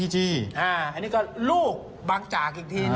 อันนี้ก็ลูกบางจากอีกที